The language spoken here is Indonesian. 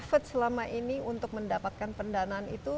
kira kira efek selama ini untuk mendapatkan pendanaan itu